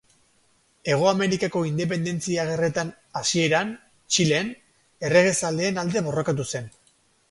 Hego Amerikako independentzia gerretan hasieran, Txilen, erregezaleen alde borrokatu zen.